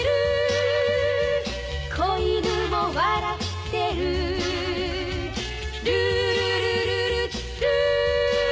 「小犬も笑ってる」「ルールルルルルー」